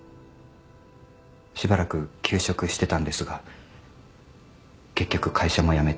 しばらく休職してたんですが結局会社も辞めて。